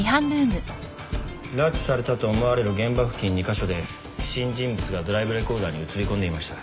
拉致されたと思われる現場付近２カ所で不審人物がドライブレコーダーに写りこんでいました。